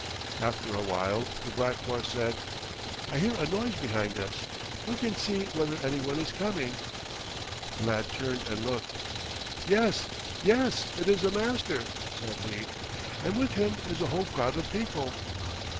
After a while the black horse said, "I hear a noise behind us. Look and see whether any one is coming." The lad turned and looked. "Yes, yes; it is the Master," said he, "and with him is a whole crowd of people."